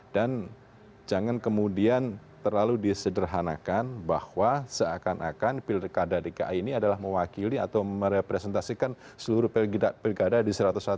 dan jangan kemudian terlalu disederhanakan bahwa seakan akan pilkada dki ini adalah mewakili atau merepresentasikan seluruh pilkada di satu ratus satu